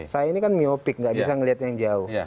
saya ini kan miopik enggak bisa melihat yang jauh